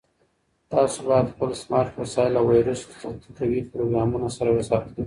تاسو باید خپل سمارټ وسایل له ویروس ضد قوي پروګرامونو سره وساتئ.